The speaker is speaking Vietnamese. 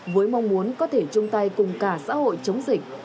với mong muốn có thể chung tay cùng cả xã hội chống dịch